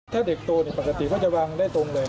ถ้าเด็กโตปกติเขาจะวางได้ตรงเลย